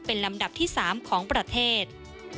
เป็นลำดับที่๓ของประเทศ